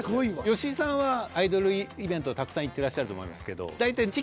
吉井さんはアイドルイベントたくさん行ってらっしゃると思いますけど。